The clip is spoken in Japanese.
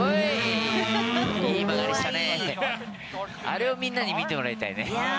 あれをみんなに見てもらいたい。